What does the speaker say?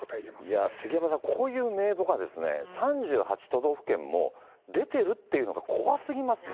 いや、杉山さん、こういう名簿が３８都道府県も出ているというのが怖すぎますね。